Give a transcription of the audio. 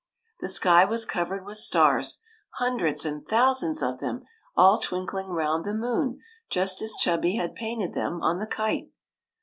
The sky was covered with stars, hundreds and thousands of them, all twinkling round the moon just as Chubby had painted them on the kite.